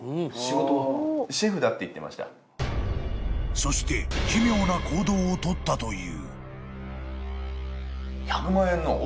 ［そして奇妙な行動をとったという］